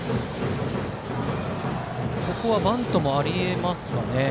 ここはバントもあり得ますかね。